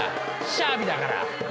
シャービだから。